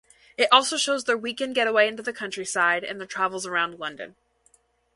It also shows their weekend getaway into the countryside, and their travels around London.